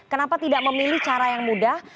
kenapa tidak memilih cara yang mudah